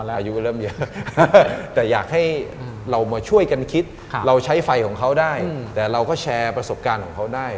อายุก็เริ่มเยอะแต่อยากให้เรามาช่วยกันคิดเราใช้ไฟของเขาได้แต่เราก็แชร์ประสบการณ์ของเขาได้